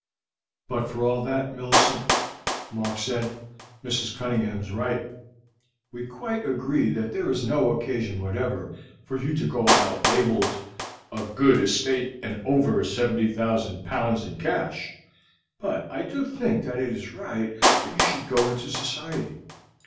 "But for all that, Millicent," Mark said, "Mrs. Cunningham is right. We quite agree that there is no occasion whatever for you to go about labeled 'A good estate and over 70,000 pounds in cash,' but I do think that it is right that you should go into society.